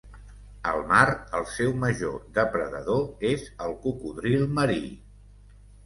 Al mar el seu major depredador és el cocodril marí.